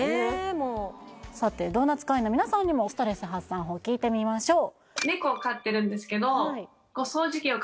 もうさてドーナツ会員の皆さんにもストレス発散法を聞いてみましょう！